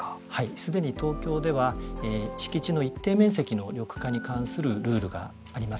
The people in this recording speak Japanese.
すでに東京では敷地の一定面積の緑化に関するルールがあります。